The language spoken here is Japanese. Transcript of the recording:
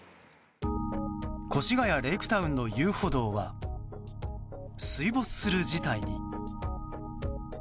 越谷レイクタウンの遊歩道は水没する事態に。